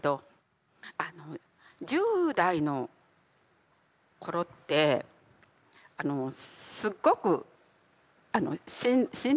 あの１０代の頃ってあのすっごくしんどくて。